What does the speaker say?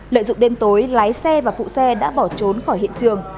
lợi dụng đêm tối lái xe và phụ xe đã bỏ trốn khỏi hiện trường